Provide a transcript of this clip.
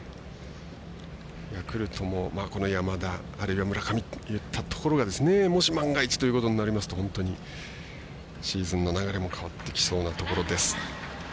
ヤクルトもこの山田あるいは村上といったところがもし万が一ということになりますと本当にシーズンの流れも変わってきそうなところです。